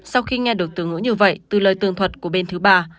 sau khi nghe được từ ngữ như vậy từ lời tường thuật của bên thứ ba